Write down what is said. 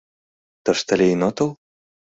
Тыште лийын отыл?